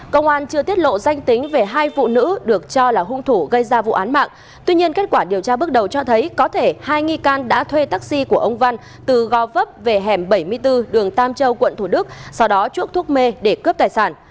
công an chưa tiết lộ danh tính về hai phụ nữ được cho là hung thủ gây ra vụ án mạng tuy nhiên kết quả điều tra bước đầu cho thấy có thể hai nghi can đã thuê taxi của ông văn từ gò vấp về hẻm bảy mươi bốn đường tam châu quận thủ đức sau đó chuộc thuốc mê để cướp tài sản